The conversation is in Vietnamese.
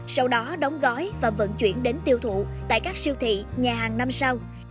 sau đó đóng gói và vận chuyển đến tiêu thụ tại các siêu thị nhà hàng năm sau